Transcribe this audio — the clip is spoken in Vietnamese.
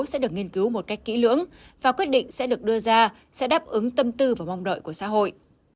sẽ được nghiên cứu một cách kỹ lưỡng và quyết định sẽ được đưa ra sẽ đáp ứng tâm tư và mong đợi của xã hội